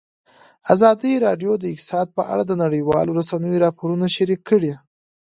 ازادي راډیو د اقتصاد په اړه د نړیوالو رسنیو راپورونه شریک کړي.